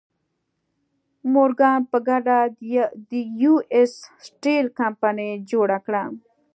مورګان په ګډه د یو ایس سټیل کمپنۍ جوړه کړه.